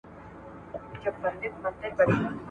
هیڅوک باید د خپل عمر په خاطر.